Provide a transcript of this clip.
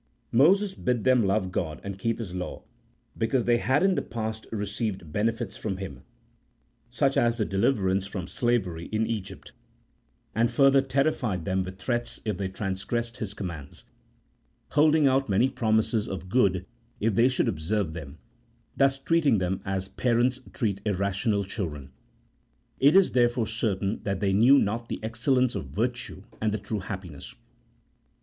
Moses bid them love God and keep His law, because they had in the past received benefits from Him (such as the deliverance from slavery in Egypt), and further terrified them with threats if they transgressed His commands, holding out many promises of good if they should observe them ; thus treating them as parents treat irrational children. It is, therefore, certain that they knew not the excellence of virtue and the true happiness.